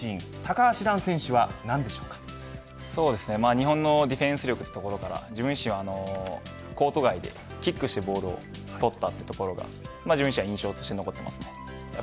日本のディフェンス力というところから自分自身はコート外でキックしてボールを取ったところが自分としては印象に残っています。